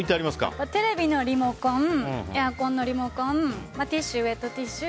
テレビのリモコンエアコンのリモコンティッシュ、ウェットティッシュ